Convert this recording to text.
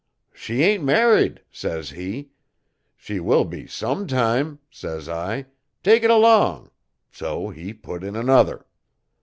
"She ain't married," says he. "She will be some time," says I, "take it along," so he put in another.